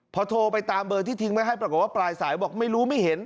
พอโทรไปตามเบอร์ที่ทิ้งไว้ให้ปรากฏว่าปลายสายบอกไม่รู้ไม่เห็น